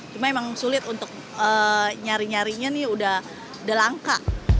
cuma emang sulit untuk nyari nyarinya nih udah langka